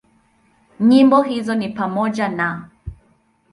Nyimbo hizo ni pamoja na;